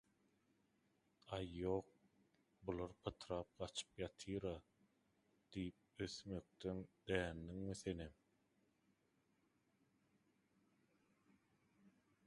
“Aý ýok bular pytrap gaçyp ýatyra” diýip ösmekden dändiňmi senem?